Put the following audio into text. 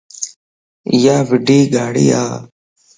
ايا وڊي ڳاڙي ا